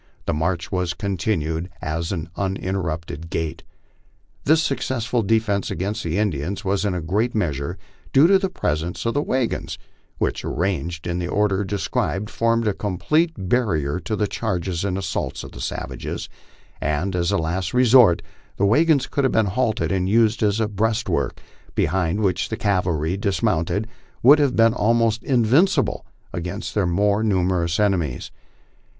The march was continued at an uninterrupted gait. This successful defence against the Indians was in a great measure due to the presence of the wagons, which, arranged in the order described, formed a complete barrier to the charges and assaults of the savages ; and, as a last resort, the wagons could have been halted and used as a breastwork, behind which the cavalry, dis mounted, would have been almost invincible against their more numerous en emies.